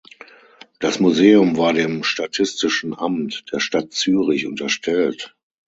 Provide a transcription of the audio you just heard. Das Museum war dem statistischen Amt der Stadt Zürich unterstellt.